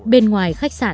bên ngoài khách sạn rất đẹp